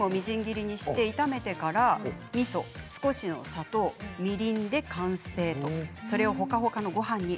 マッシュルームをみじん切りにして炒めてからみそ、少しの砂糖、みりんで完成それを、ほかほかのごはんに。